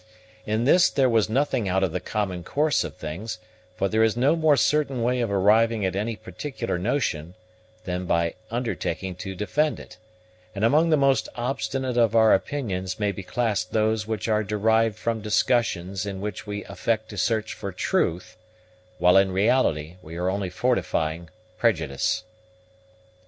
In this there was nothing out of the common course of things; for there is no more certain way of arriving at any particular notion, than by undertaking to defend it; and among the most obstinate of our opinions may be classed those which are derived from discussions in which we affect to search for truth, while in reality we are only fortifying prejudice.